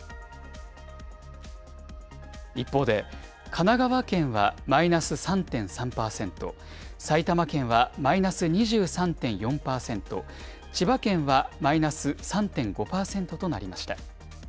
一方で、神奈川県はマイナス３．３％、埼玉県はマイナス２３．４％、千葉県はマイナス３．５％となりました。